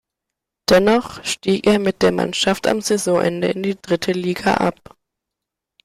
Dennoch stieg er mit der Mannschaft am Saisonende in die dritte Liga ab.